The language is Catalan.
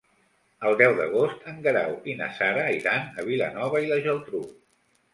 El deu d'agost en Guerau i na Sara iran a Vilanova i la Geltrú.